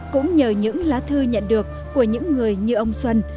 cũng nhờ những lá thư nhận được của những người như ông xuân